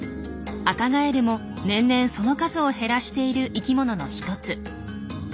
アカガエルも年々その数を減らしている生きものの一つ。